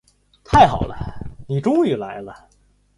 太好了，你终于来了。